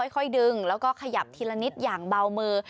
ค่อยดึงแล้วก็ขยับทีละนิดอย่างเบามือ